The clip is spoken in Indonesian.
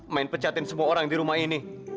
main pecatin semua orang di rumah ini